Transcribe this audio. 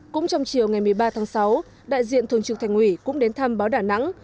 cũng trong chiều ngày một mươi ba tháng sáu đại diện thường trực thành ủy cũng đến thăm báo đà nẵng